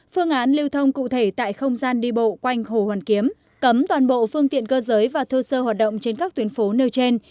phương án lưu thông cụ thể tại không gian đi bộ quanh hồ hoàn kiếm cấm toàn bộ phương tiện cơ giới và thô sơ hoạt động trên các tuyến phố nêu trên